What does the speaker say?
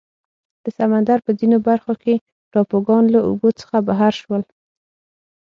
د سمندر په ځینو برخو کې ټاپوګان له اوبو څخه بهر شول.